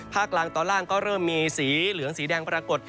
กลางตอนล่างก็เริ่มมีสีเหลืองสีแดงปรากฏ